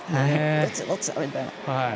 どっちだろう？みたいな。